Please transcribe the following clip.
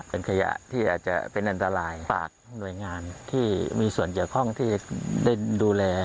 เป็นขยะที่อาจจะเป็นอันตรายฝากหน่วยงานที่มีส่วนเกี่ยวข้องที่ได้ดูแล